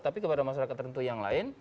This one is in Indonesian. tapi kepada masyarakat tertentu yang lain